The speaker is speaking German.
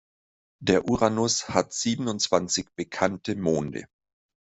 Der Uranus hat siebenundzwanzig bekannte Monde.